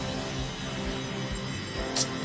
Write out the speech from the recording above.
きっと。